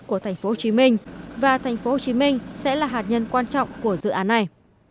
của thành phố hồ chí minh và thành phố hồ chí minh sẽ là hạt nhân quan trọng của dự án này